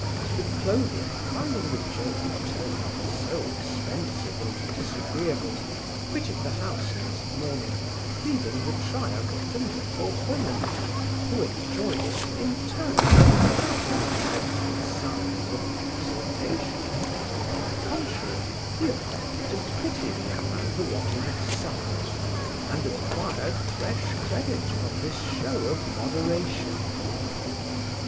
The clothier, finding the joke turn out so expensive and disagreeable, quitted the house next morning, leaving the triumph to Micklewhimmen, who enjoyed it internally without any outward signs of exultation on the contrary, he affected to pity the young man for what he had suffered; and acquired fresh credit from this shew of moderation.